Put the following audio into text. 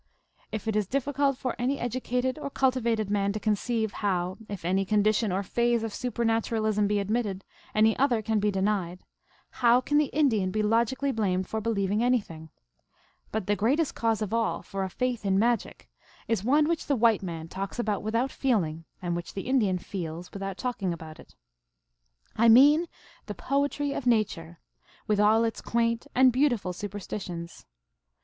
If it is difficult for any educated or culti vated man to conceive how, if any condition or phase of supernaturalism be admitted, any other can be de nied, how can the Indian be logically blamed for be lieving anything ? But the greatest cause of all for a faith in magic is one which the white man talks about TALES OF MAGIC. 339 without feeling, and which the Indian feels without talking about it. I mean the poetry of nature, with all its quaint and beautiful superstitions.